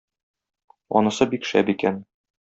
Анысы бик шәп икән.